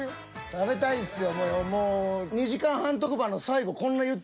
食べたいっすよ。